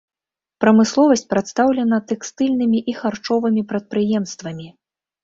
Прамысловасць прадстаўлена тэкстыльнымі і харчовымі прадпрыемствамі.